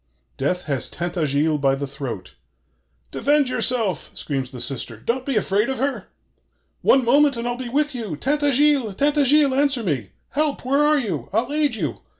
Death has Tintagiles by the throat. 'Defend yourself!' screams the sister: 'don't be afraid of her! One moment and I'll be with you! Tintagiles? Tintagiles? Answer me! Help! Where are you? I'll aid you!